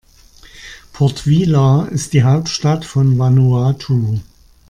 Port Vila ist die Hauptstadt von Vanuatu.